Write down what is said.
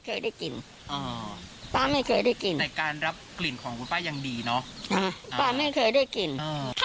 เขาขายมานานเป็น๑๐ปีแล้วนะ